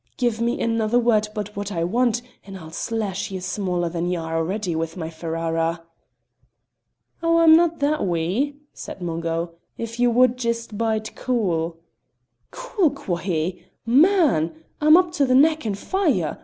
Give me another word but what I want and I'll slash ye smaller than ye are already with my Ferrara." "Oh, I'm no' that wee!" said Mungo. "If ye wad jist bide cool " "'Cool' quo' he! Man! I'm up to the neck in fire.